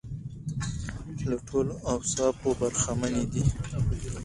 له ټولو اوصافو برخمنې دي.